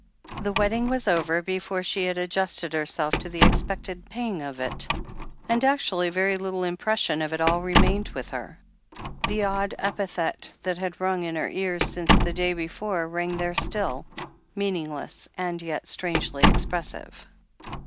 The wedding was over before she had adjusted her self to the expected pang of it, and actually very little impression of it all remained with her. The odd epithet that had rang in her ears since the day before rang there still, meaningless, and yet strangely expressive.